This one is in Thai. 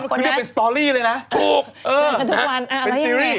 คือเรียกเป็นสตอรี่เลยนะเป็นซิริย์